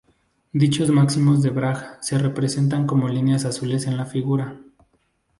Dichos máximos de Bragg se representan con líneas azules en la figura.